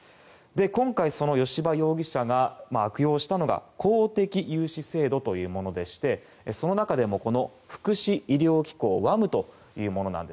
今回、その吉羽容疑者が悪用したのが公的融資制度というものでしてその中でも、福祉医療機構・ＷＡＭというもの。